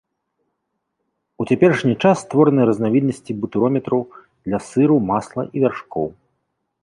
У цяперашні час створаны разнавіднасці бутырометраў для сыру, масла і вяршкоў.